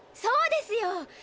そうですよ。